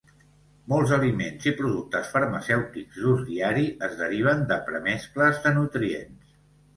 Molts aliments i productes farmacèutics d'ús diari es deriven de premescles de nutrients.